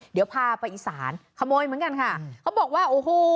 เดี๋ยวพาไปอีสานขโมยเหมือนกันค่ะเขาบอกว่าโอ้โห